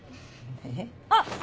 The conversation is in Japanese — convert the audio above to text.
あっ！